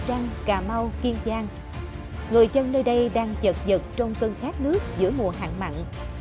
trăng cà mau kiên giang người dân nơi đây đang chật dật trong cơn khát nước giữa mùa hạn mặn